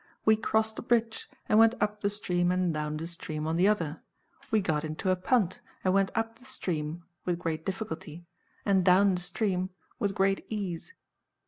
We crossed the bridge, and went up the stream and down the stream on the other. We got into a punt, and went up the stream (with great difficulty), and down the stream (with great ease).